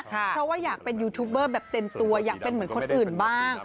เพราะว่าอยากเป็นยูทูบเบอร์แบบเต็มตัวอยากเป็นเหมือนคนอื่นบ้าง